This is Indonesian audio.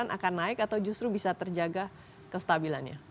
akan naik atau justru bisa terjaga kestabilannya